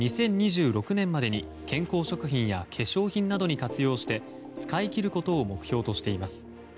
２０２６年までに健康食品や化粧品などに活用して使い切ることを目標としています。